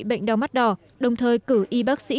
bệnh đau mắt đỏ đồng thời cử y bác sĩ